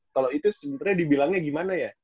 kalau itu sebenarnya dibilangnya gimana ya